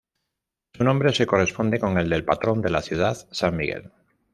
Su nombre se corresponde con el del patrón de la ciudad: San Miguel.